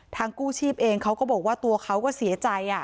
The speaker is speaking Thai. กู้ชีพเองเขาก็บอกว่าตัวเขาก็เสียใจ